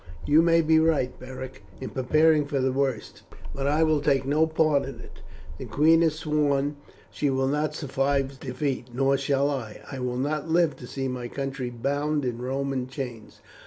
"You may be right, Beric, in preparing for the worst, but I will take no part in it. The queen has sworn she will not survive defeat, nor shall I. I will not live to see my country bound in Roman chains.